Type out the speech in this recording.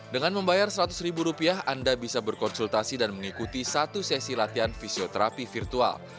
dengan membayar seratus ribu rupiah anda bisa berkonsultasi dan mengikuti satu sesi latihan fisioterapi virtual